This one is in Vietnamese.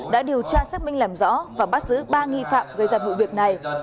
đã điều tra xác minh làm rõ và bắt giữ ba nghi phạm gây ra vụ việc này